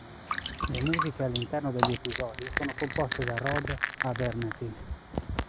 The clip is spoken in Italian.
Le musiche all'interno degli episodi sono composte da Rod Abernethy.